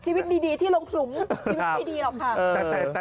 ชีวิตดีที่ลงขลุมชีวิตไม่ดีหรอกค่ะ